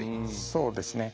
そうですね。